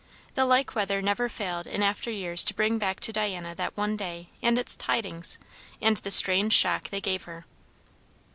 The like weather never failed in after years to bring back to Diana that one day and its tidings and the strange shock they gave her.